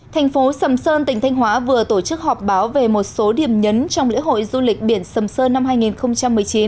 thành phố sầm sơn tỉnh thanh hóa vừa tổ chức họp báo về một số điểm nhấn trong lễ hội du lịch biển sầm sơn năm hai nghìn một mươi chín